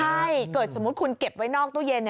ใช่เกิดสมมุติคุณเก็บไว้นอกตู้เย็น